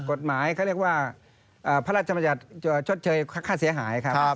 กฎหมายเขาเรียกว่าพระราชมัญญัติชดเชยค่าเสียหายครับ